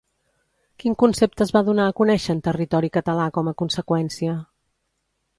Quin concepte es va donar a conèixer en territori català com a conseqüència?